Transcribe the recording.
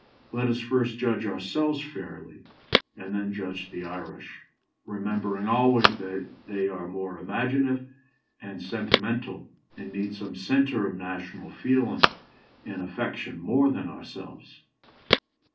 Let us first judge ourselves fairly, and then judge the Irish, remembering always that they are more imaginative and sentimental, and need some centre of national feeling and affection more than ourselves."